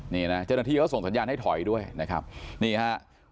นี่นะเจ้าหน้าที่เขาส่งสัญญาณให้ถอยด้วยนะครับนี่ฮะ